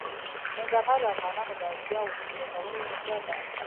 ننګرهار د افغانانو د اړتیاوو د پوره کولو وسیله ده.